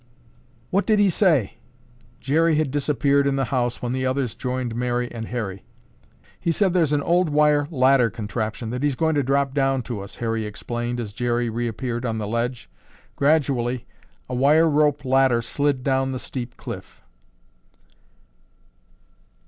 "What did he say?" Jerry had disappeared in the house when the others joined Mary and Harry. "He said there's an old wire ladder contraption that he's going to drop down to us," Harry explained as Jerry reappeared on the ledge. Gradually a wire rope ladder slid down the steep cliff.